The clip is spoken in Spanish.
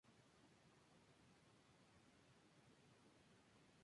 Es oriunda de Madagascar.